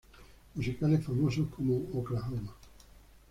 Musicales famosos como "Oklahoma!